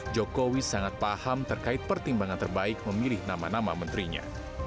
jokowi sangat paham terkait pertimbangan terbaik memilih nama nama menterinya